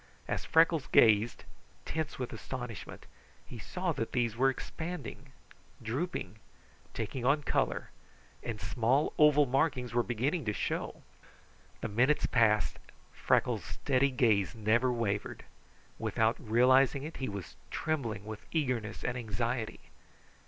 As Freckles gazed, tense with astonishment, he saw that these were expanding, drooping, taking on color, and small, oval markings were beginning to show. The minutes passed. Freckles' steady gaze never wavered. Without realizing it, he was trembling with eagerness and anxiety.